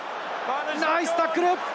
ナイスタックル！